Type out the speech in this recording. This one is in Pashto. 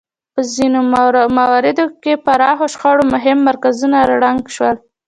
په ځینو مواردو کې پراخو شخړو مهم مرکزونه ړنګ شول.